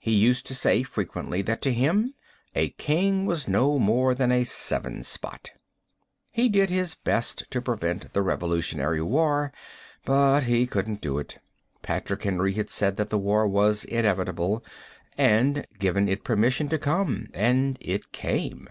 He used to say, frequently, that to him a king was no more than a seven spot. He did his best to prevent the Revolutionary war, but he couldn't do it, Patrick Henry had said that the war was inevitable, and given it permission to come, and it came.